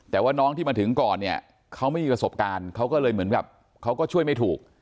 แต่ว่าน้องที่มาถึงก่อนเนี่ยเขาไม่มีประสบการณ์เขาก็เลยเหมือนกับเขาก็ช่วยไม่ถูก